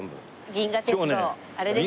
銀河鉄道あれですね。